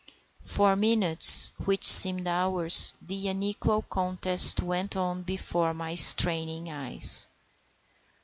For minutes (which seemed hours) the unequal contest went on before my straining eyes.